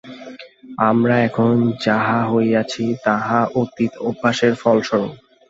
আমরা এখন যাহা হইয়াছি, তাহা অতীত অভ্যাসের ফলস্বরূপ।